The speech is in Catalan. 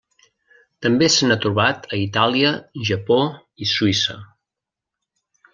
També se n'ha trobat a Itàlia, Japó i Suïssa.